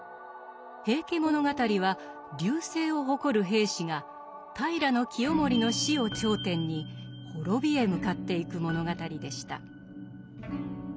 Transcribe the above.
「平家物語」は隆盛を誇る平氏が平清盛の死を頂点に滅びへ向かっていく物語でした。